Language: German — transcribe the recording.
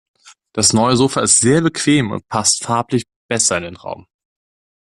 Das neue Sofa ist sehr bequem und passt farblich besser in den Raum.